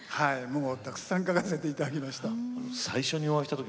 たくさん書かせていただきました。